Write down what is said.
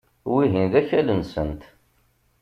Wihin d akal-nsent.